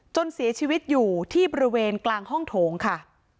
จนเสียชีวิตอยู่ที่บริเวณกลางห้องโถงค่ะ